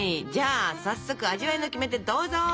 じゃあ早速味わいのキメテどうぞ！